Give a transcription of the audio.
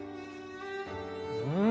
うん！